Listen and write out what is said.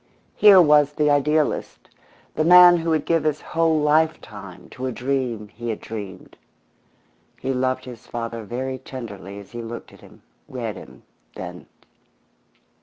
Here was the idealist, the man who would give his whole lifetime to a dream he had dreamed. He loved his father very tenderly as he looked at him, read him, then.